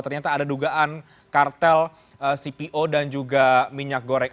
ternyata ada dugaan kartel cpo dan juga minyak goreng